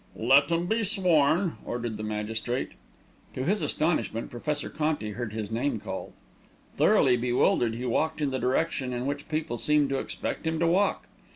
"Let him be sworn," ordered the magistrate. To his astonishment, Professor Conti heard his name called. Thoroughly bewildered, he walked in the direction in which people seemed to expect him to walk.